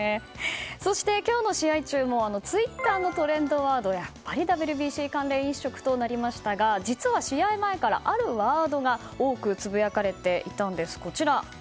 そして、今日の試合中もツイッターのトレンドワードはやっぱりＷＢＣ関連一色となりましたが実は試合前からあるワードが多くつぶやかれていたんです。